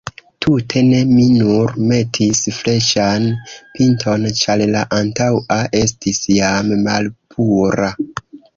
Tute ne, mi nur metis freŝan pinton, ĉar la antaŭa estis jam malpura.